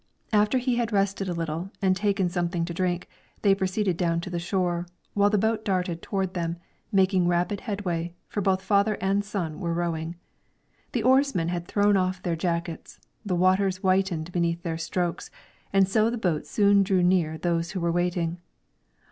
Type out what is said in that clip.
After he had rested a little and taken something to drink, they proceeded down to the shore, while the boat darted toward them, making rapid headway, for both father and son were rowing. The oarsmen had thrown off their jackets, the waters whitened beneath their strokes; and so the boat soon drew near those who were waiting.